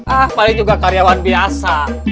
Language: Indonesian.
ah paling juga karyawan biasa